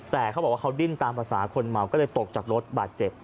แต่เขาบอกว่าเขาดิ้นตามภาษาคนเมาก็เลยตกจากรถบาดเจ็บ